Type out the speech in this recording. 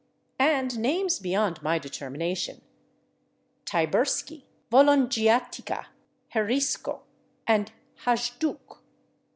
And names beyond my determination: /Tyburski/, /Volongiatica/, /Herisko/ and /Hajduk